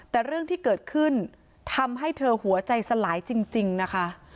แต่เรื่องที่เกิดขึ้นทำให้เธอหัวใจสลายจริงนะคะ